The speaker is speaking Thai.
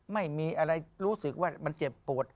ไม่มีอะไรรู้สึกว่ามันเจ็บปวด